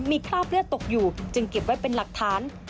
มีคราบเลือดตกอยู่จึงเก็บไว้เป็นหลักฐาน